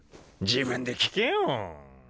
自分で聞けよ。